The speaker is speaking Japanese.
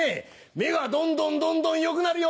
目がどんどんどんどん良くなるよ。